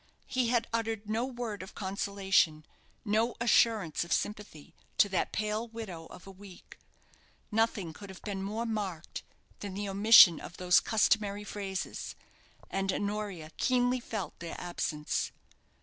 He had uttered no word of consolation, no assurance of sympathy, to that pale widow of a week; nothing could have been more marked than the omission of those customary phrases, and Honoria keenly felt their absence.